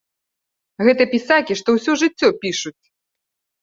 Гэта пісакі, што ўсё жыццё пішуць!